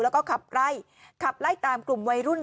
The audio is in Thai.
แล้วก็ขับไล่ขับไล่ตามกลุ่มวัยรุ่น